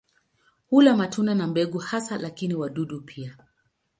Hula matunda na mbegu hasa lakini wadudu pia.